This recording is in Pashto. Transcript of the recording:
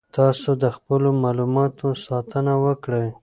تاسو د خپلو معلوماتو ساتنه وکړئ.